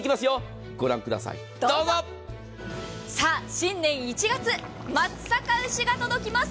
新年１月松阪牛が届きます。